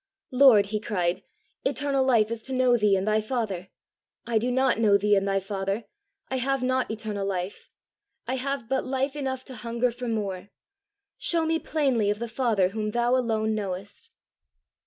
"Lord," he cried, "eternal life is to know thee and thy Father; I do not know thee and thy Father; I have not eternal life; I have but life enough to hunger for more: show me plainly of the Father whom thou alone knowest."